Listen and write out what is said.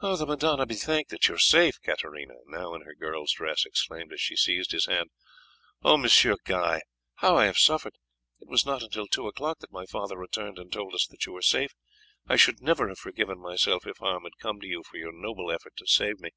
"The Madonna be thanked that you are safe!" Katarina, now in her girl's dress, exclaimed as she seized his hand. "Oh, Monsieur Guy, how I have suffered! It was not until two o'clock that my father returned and told us that you were safe; I should never have forgiven myself if harm had come to you from your noble effort to save me.